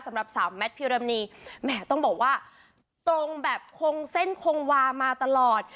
สำหรับสาวแมทพิรณีแหมต้องบอกว่าตรงแบบคงเส้นคงวามาตลอด